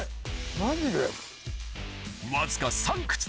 マジで？